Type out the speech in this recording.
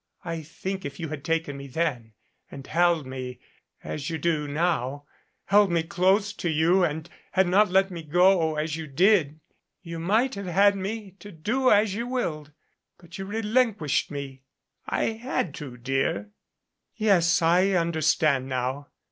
I think if you had taken me then and held me as you do now held me close to you and had not let me go, as you did, you might have had me to do as you willed. But you relinquished me " "I had to, dear." "Yes, I understand now.